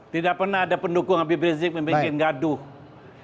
tidak pernah ada pendukung nabi rizik membuat kegaduhan